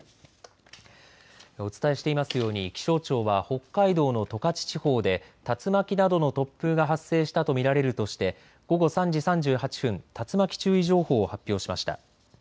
お伝えしていますように気象庁は北海道の十勝地方で竜巻などの突風が発生したと見られるとして午後３時３８分、竜巻注意情報を発表しました。